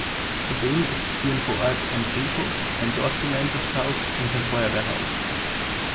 Zudem existieren vor Ort ein Friedhof, ein Dorfgemeinschaftshaus und ein Feuerwehrhaus.